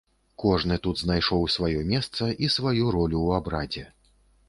Кожны тут знайшоў сваё месца і сваю ролю ў абрадзе.